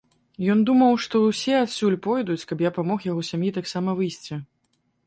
Ён думаў, што ўсе адсюль пойдуць і каб я памог яго сям'і таксама выйсці.